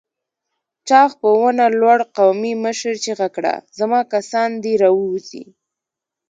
چاغ په ونه لوړ قومي مشر چيغه کړه! زما کسان دې راووځي!